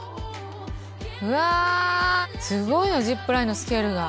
うわすごいよジップラインのスケールが。